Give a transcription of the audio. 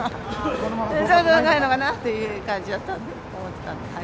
もうないのかなという感じだと思ってたんで。